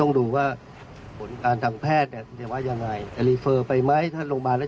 ถ้าหยุดว่าผลทางเพศว่าจะถูกต้องดูหรือเป็นจะถูกต้องไปไหม